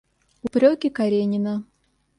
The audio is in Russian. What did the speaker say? Упреки Каренина.